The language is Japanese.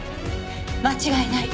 間違いない。